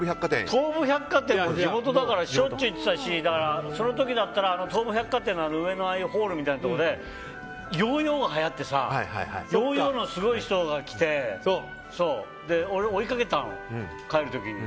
東武百貨店は地元だからしょっちゅう行ってたしその時だったら、東武百貨店の上のホールみたいなところでヨーヨーがはやってさヨーヨーのすごい人が来てて俺、追いかけたの、帰る時に。